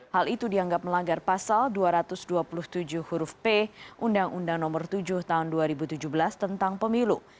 hal itu dianggap melanggar pasal dua ratus dua puluh tujuh huruf p undang undang nomor tujuh tahun dua ribu tujuh belas tentang pemilu